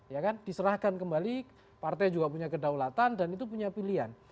ya kan diserahkan kembali partai juga punya kedaulatan dan itu punya pilihan